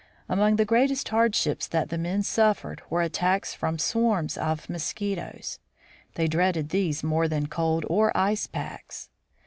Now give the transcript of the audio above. Among the greatest hardships that the men suffered were attacks from swarms of mosquitoes ; they dreaded these more than cold or ice packs.